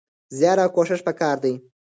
زيار او کوښښ پکار دی.